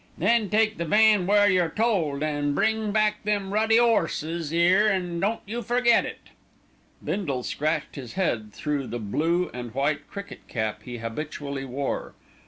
Then take the van where you're told, an' bring back them ruddy 'orses 'ere, an' don't you forget it." Bindle scratched his head through the blue and white cricket cap he habitually wore.